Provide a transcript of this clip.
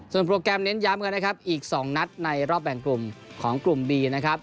โปรแกรมเน้นย้ำกันนะครับอีก๒นัดในรอบแบ่งกลุ่มของกลุ่มบีนะครับ